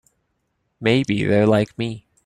Maybe they're like me.